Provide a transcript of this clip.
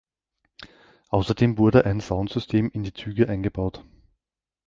Außerdem wurde ein Soundsystem in die Züge eingebaut.